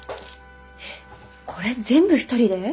えっこれ全部一人で？